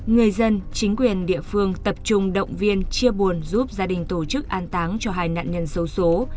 người dân chính quyền địa phương tập trung động viên chia buồn giúp gia đình tổ chức an táng cho hai nạn nhân xấu xố